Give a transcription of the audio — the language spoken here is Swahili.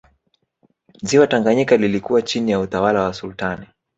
Ziwa tanganyika lilikuwa chini ya utawala wa sultani